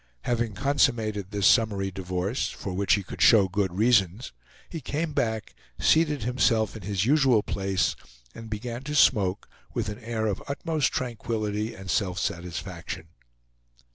Having consummated this summary divorce, for which he could show good reasons, he came back, seated himself in his usual place, and began to smoke with an air of utmost tranquillity and self satisfaction.